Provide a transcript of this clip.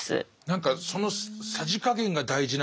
何かそのさじ加減が大事な気がして。